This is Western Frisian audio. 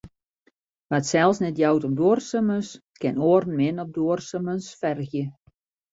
Wa't sels net jout om duorsumens, kin oaren min op duorsumens fergje.